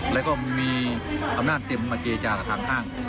แล้วก็มีอำนาจเต็มมาเจจากับทางห้าง